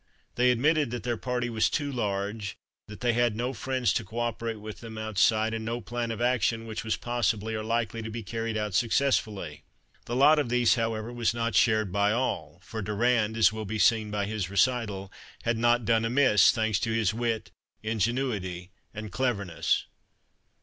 They admitted that their party was too large, that they had no friends to co operate with them outside, and no plan of action which was possibly or likely to be carried out successfully. The lot of these, however, was not shared by all, for Durand, as will be seen by his recital, had not done amiss, thanks to his wit, ingenuity, and cleverness.